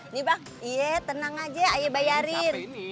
nih bang iya tenang aja ayah bayarin